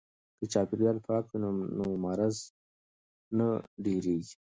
که چاپیریال پاک وي نو مرض نه ډیریږي.